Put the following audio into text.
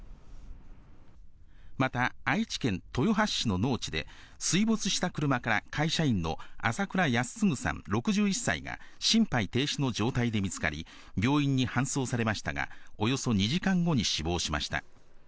また、愛知県豊橋市の農地で、水没した車から、会社員の朝倉泰嗣さん６１歳が、心肺停止の状態で見つかり、病院に搬送されましたが、およそ２時間後に死亡しました。